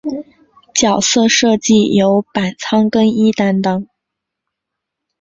角色设计由板仓耕一担当。